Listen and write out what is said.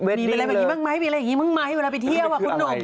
มีเป็นอะไรแบบนี้บ้างไหมมีอะไรอย่างนี้บ้างไหมเวลาไปเที่ยวคุณหนุ่ม